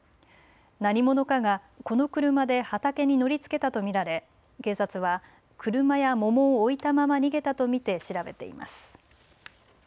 何者かがこの車で畑に乗りつけたと見られ警察は車や桃を置いたまま逃げたと見て調べています。